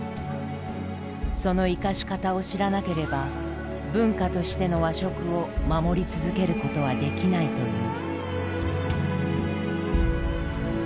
その生かし方を知らなければ文化としての「和食」を守り続けることはできないという。